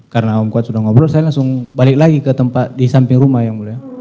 karena om kuat sudah ngobrol saya langsung balik lagi ke tempat di samping rumah yang mulia